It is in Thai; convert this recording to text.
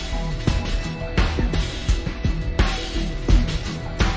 กูก็มีความอดทนเหมือนกันนะ